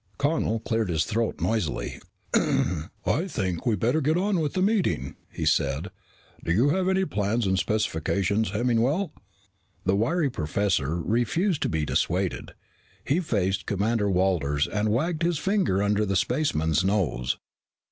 Connel cleared his throat noisily. "I think we'd better get on with the meeting," he said. "Do you have the plans and specifications, Hemmingwell?" But the wiry professor refused to be dissuaded. He faced Commander Walters and wagged his finger under the spaceman's nose.